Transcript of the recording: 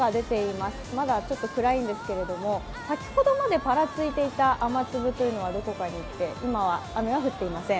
まだちょっとくらいんですが先ほどまでぱらついていた雨粒はどこかにいって、今は雨は降っていません。